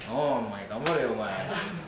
頑張れよお前。